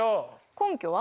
根拠は？